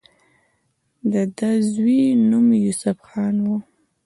د دۀ د زوي نوم يوسف خان وۀ